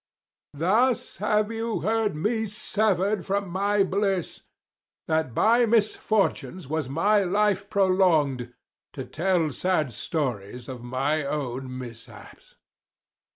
Thus have you heard me sever'd from my bliss; That by misfortunes was my life prolong'd, 120 To tell sad stories of my own mishaps.